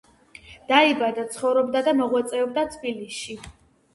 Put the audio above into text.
დაიბადა, ცხოვრობდა და მოღვაწეობდა თბილისში.